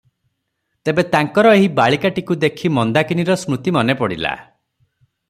ତେବେ ତାଙ୍କର ଏହି ବାଳିକାଟିକୁ ଦେଖି ମନ୍ଦାକିନୀର ସ୍ମୃତି ମନେ ପଡ଼ିଲା ।